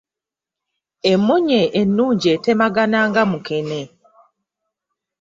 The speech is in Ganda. Emmunye ennungi etemagana nga mukene.